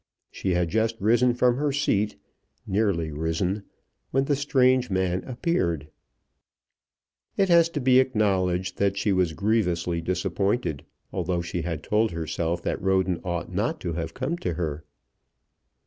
She had just risen from her seat, nearly risen, when the strange man appeared. It has to be acknowledged that she was grievously disappointed, although she had told herself that Roden ought not to have come to her.